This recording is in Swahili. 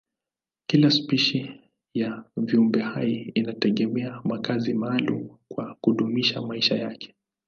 Kila spishi ya viumbehai inategemea makazi maalumu kwa kudumisha maisha yake.